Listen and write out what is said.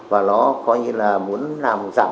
và nó coi như là muốn làm giảm